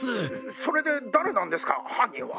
それで誰なんですか犯人は？